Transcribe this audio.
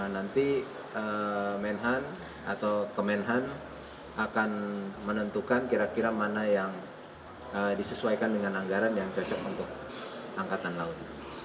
nanti menhan atau kemenhan akan menentukan kira kira mana yang disesuaikan dengan anggaran yang cocok untuk angkatan laut